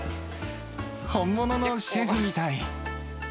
本物のシェフみたい。